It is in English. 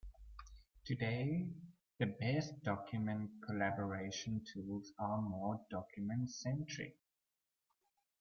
Today, the best document collaboration tools are more document-centric.